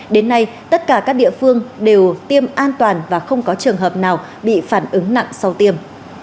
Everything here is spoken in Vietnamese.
đến nay tất cả các địa phương đều tiêm an toàn và không có trường hợp nào bị phản ứng nặng sau tiêm